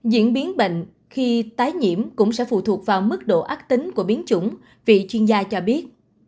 diễn biến bệnh khi tái nhiễm cũng sẽ phụ thuộc vào mức độ ác tính của biến chủng vị chuyên gia cho biết